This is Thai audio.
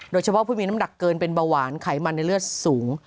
โดยเฉพาะผู้มีน้ำหนักเกินเป็นเบาหวานไขมันในเลือดสูง